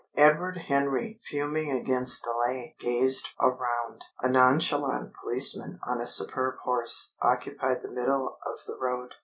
Edward Henry, fuming against delay, gazed around. A nonchalant policeman on a superb horse occupied the middle of the road.